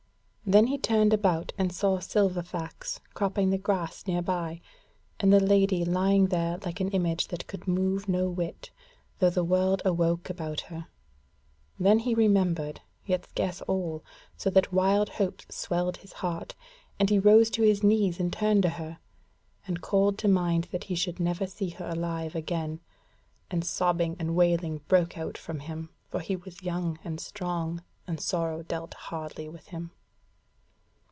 Then he turned about and saw Silverfax cropping the grass nearby, and the Lady lying there like an image that could move no whit, though the world awoke about her. Then he remembered, yet scarce all, so that wild hopes swelled his heart, and he rose to his knees and turned to her, and called to mind that he should never see her alive again, and sobbing and wailing broke out from him, for he was young and strong, and sorrow dealt hardly with him.